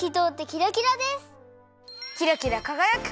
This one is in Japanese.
キラキラかがやく！